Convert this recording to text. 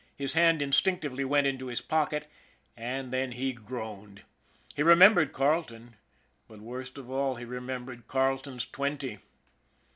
His hand instinctively went into his pocket and then he groaned. He remembered Carle ton. But worst of all, he remembered Carleton's twenty.